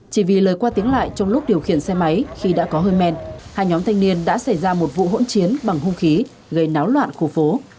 chỉ vì lời qua tiếng lại trong lúc điều khiển xe máy khi đã có hơi men hai nhóm thanh niên đã xảy ra một vụ hỗn chiến bằng hung khí gây náo loạn khu phố